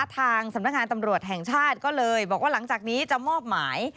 ทางสำนักงานตำรวจแห่งชาติก็เลยบอกว่าหลังจากนี้จะมอบหมาย